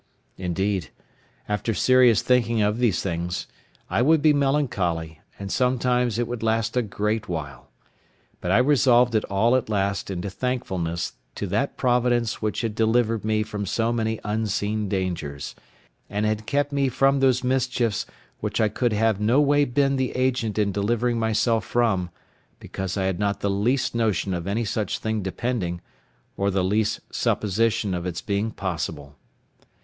Indeed, after serious thinking of these things, I would be melancholy, and sometimes it would last a great while; but I resolved it all at last into thankfulness to that Providence which had delivered me from so many unseen dangers, and had kept me from those mischiefs which I could have no way been the agent in delivering myself from, because I had not the least notion of any such thing depending, or the least supposition of its being possible.